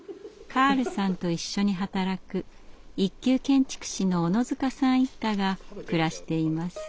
カールさんと一緒に働く一級建築士の小野塚さん一家が暮らしています。